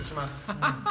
ハハハハ！